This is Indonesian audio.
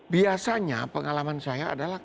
biasanya pengalaman saya adalah